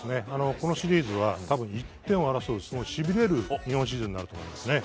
このシリーズは１点を争うしびれる日本シリーズになると思いますね。